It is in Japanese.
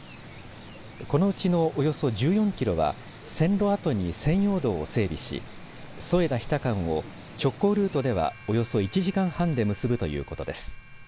このうちのおよそ１４キロは線路跡に専用道を整備し添田、日田間を直行ルートではおよそ１時間半で結ぶということです。